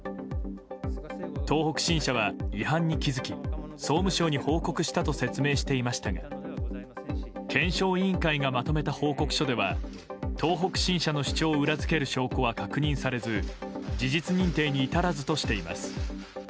東北新社は違反に気づき総務省に報告したと説明していましたが検証委員会がまとめた報告書では東北新社の主張を裏付ける証拠は確認されず事実認定に至らずとしています。